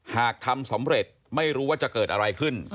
หากทำสำเร็จไม่รู้ว่าจะเกิดอะไรขึ้น